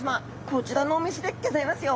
こちらのお店でギョざいますよ。